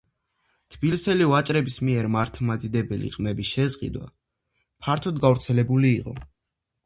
თბილისელი ვაჭრების მიერ მართლმადიდებელი ყმების შესყიდვა ფართოდ გავრცელებული იყო.